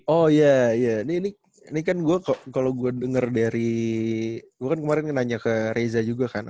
oh iya iya ini kan gue kalau gue denger dari gue kan kemarin nanya ke reza juga kan